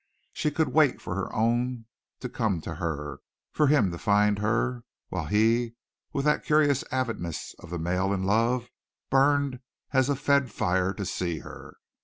She could wait for her own to come to her for him to find her; while he, with that curious avidness of the male in love, burned as a fed fire to see her.